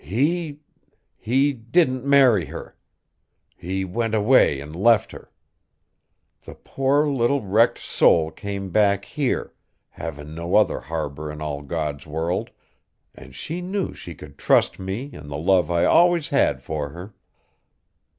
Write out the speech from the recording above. "He he didn't marry her! He went away an' left her! The poor little wrecked soul came back here, havin' no other harbor in all God's world, an' she knew she could trust me an' the love I allus had fur her.